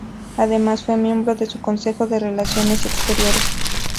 Además, fue miembro de su Consejo de Relaciones Exteriores.